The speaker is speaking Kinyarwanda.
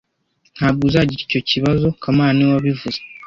Ntabwo uzagira icyo kibazo kamana niwe wabivuze